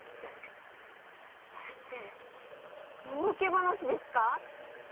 それってもうけ話ですか？